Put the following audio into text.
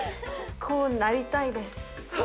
こうなりたいです。